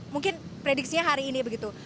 mungkin prediksinya hari ini begitu